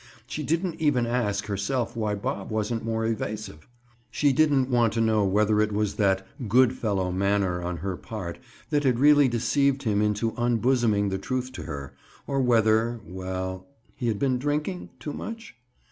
She didn't even ask herself why Bob wasn't more evasive. She didn't want to know whether it was that "good fellow" manner on her part that had really deceived him into unbosoming the truth to her, or whether—well, he had been drinking too much?